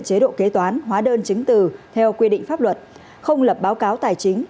chế độ kế toán hóa đơn chứng từ theo quy định pháp luật không lập báo cáo tài chính